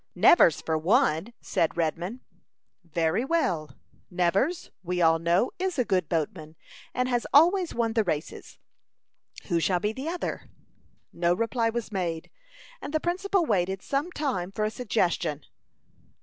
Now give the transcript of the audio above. "Nevers for one," said Redman. "Very well; Nevers, we all know, is a good boatman, and has always won the races. Who shall be the other?" No reply was made, and the principal waited some time for a suggestion.